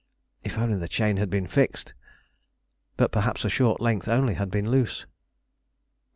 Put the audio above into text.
If only the chain had been fixed! But perhaps a short length only had been loose.